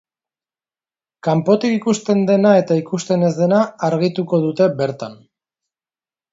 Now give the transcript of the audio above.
Kanpotik ikusten dena eta ikusten ez dena argituko dute bertan.